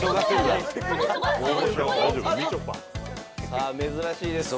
「さあ珍しいです」